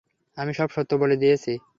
আমি সব সত্য বলে দিয়েছি।